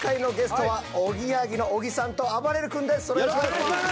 よろしくお願いします！